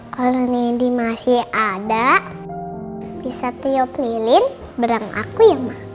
kalau nindi masih ada bisa tiup lilin berang aku ya ma